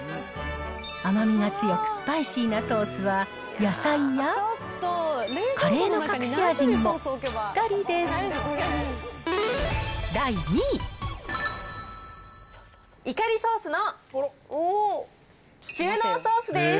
甘みが強く、スパイシーなソースは、野菜やカレーの隠し味にもぴったりです。